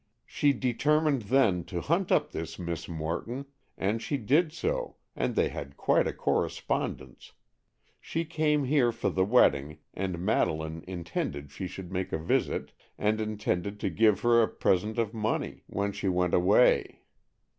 She determined then to hunt up this Miss Morton, and she did so, and they had quite a correspondence. She came here for the wedding, and Madeleine intended she should make a visit, and intended to give her a present of money when she went away.